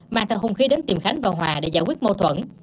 mang theo hung khí đến tìm khánh và hòa để giải quyết mâu thuẫn